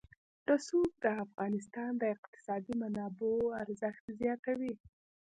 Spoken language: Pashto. رسوب د افغانستان د اقتصادي منابعو ارزښت زیاتوي.